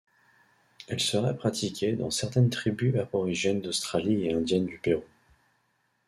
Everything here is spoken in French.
Elle serait pratiquée dans certaines tribus aborigènes d'Australie et indiennes du Pérou.